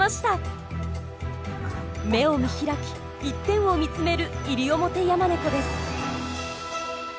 目を見開き一点を見つめるイリオモテヤマネコです。